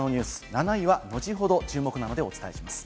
７位は後ほど注目なのでお伝えします。